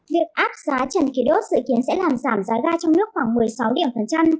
việc áp giá trần khí đốt dự kiến sẽ làm giảm giá ra trong nước khoảng một mươi sáu điểm phần trăn